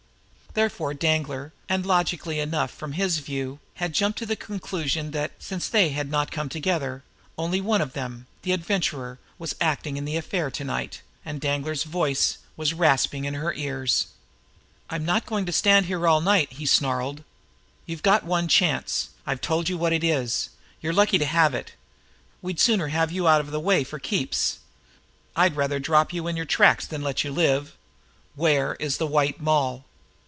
Therefore Danglar, and logically enough from his viewpoint, had jumped to the conclusion that, since they had not come together, only one of them, the Adventurer, was acting in the affair to night, and Danglar's voice was rasping in her ears. "I'm not going to stay here all night!" he snarled. "You've got one chance. I've told you what it is. You're lucky to have it. We'd sooner have you out of the way for keeps. I'd rather drop you in your tracks than let you live. Where is the White Moll?"